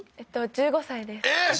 １５歳ですえっ！